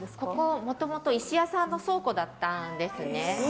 もともと石屋さんの倉庫だったんですね。